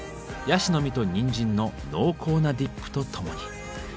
ヤシの実とにんじんの濃厚なディップとともに。